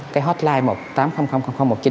cái hotline một nghìn tám trăm linh một mươi chín